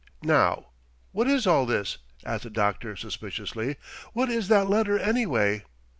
"Now, what is all this?" asked the doctor suspiciously. "What is that letter, anyway?"